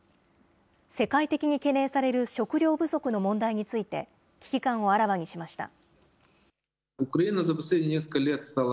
世界的に懸念される食糧不足の問題について、危機感をあらわにしました。